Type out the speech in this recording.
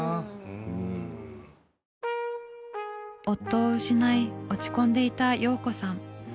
夫を失い落ち込んでいた陽子さん。